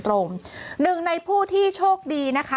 หนึ่งในผู้ที่โชคดีนะคะ